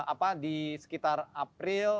apa di sekitar april